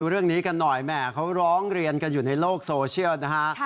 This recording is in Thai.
เรื่องนี้กันหน่อยแหมเขาร้องเรียนกันอยู่ในโลกโซเชียลนะฮะ